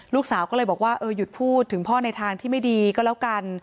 ลูกสาวก็เลยบอกว่าเออหยุดพูดถึงพ่อในทางที่ไม่ดีก็แล้วกัน